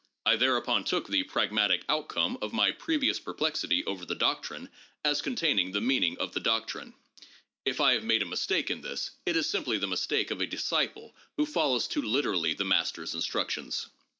I thereupon took the pragmatic outcome of my previous perplexity over the doctrine as containing the meaning of the doctrine. If I have made a mistake in this, it is simply the mistake of a disciple who follows too literally the master's instructions.